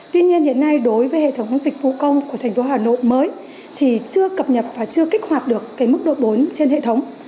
tuy nhiên hiện nay đối với hệ thống dịch vụ công của thành phố hà nội mới thì chưa cập nhập và chưa kích hoạt được mức độ bốn trên hệ thống